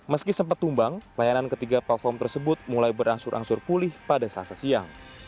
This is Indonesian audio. meski sempat tumbang layanan ketiga platform tersebut mulai berangsur angsur pulih pada selasa siang